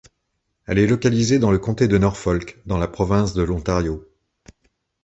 Elle est localisée dans le comté de Norfolk, dans la province de l'Ontario.